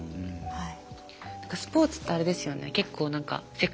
はい。